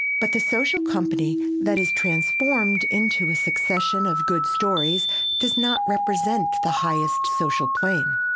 But the social company that is transformed into a succession of "good stories" does not represent the highest social plane.